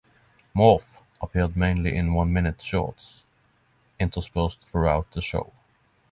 Morph appeared mainly in one-minute "shorts" interspersed throughout the show.